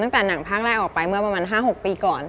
หนังภาคแรกออกไปเมื่อประมาณ๕๖ปีก่อน